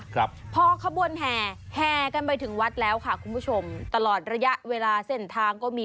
ครับพอขบวนแห่แห่กันไปถึงวัดแล้วค่ะคุณผู้ชมตลอดระยะเวลาเส้นทางก็มี